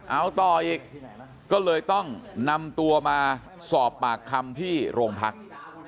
เอาต่ออีกก็เลยต้องนำตัวมาสอบปากคำที่โรงพัก